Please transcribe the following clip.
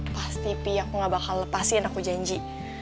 pasti p aku gak bakal lepasin aku janji